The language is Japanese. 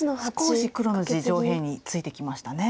少し黒の地上辺についてきましたね。